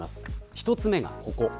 一つ目がここ。